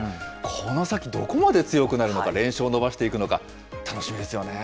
この先、どこまで強くなるのか、連勝を伸ばしていくのか、楽しみですよね。